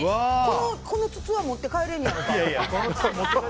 この筒は持って帰れんねやろうか。